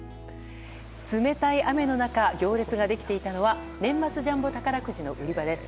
冷たい雨の中行列ができていたのは年末ジャンボ宝くじの売り場です。